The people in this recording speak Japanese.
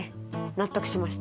納得しました！